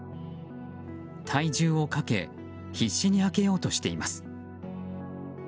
体重をかけ必死に開けようとしています。